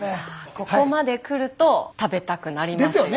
ここまでくると食べたくなりますよね。